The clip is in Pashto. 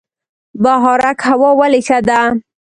بهارک هوا ولې ښه ده؟